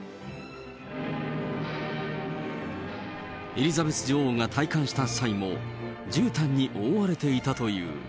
エリザベス女王が戴冠した際も、じゅうたんに覆われていたという。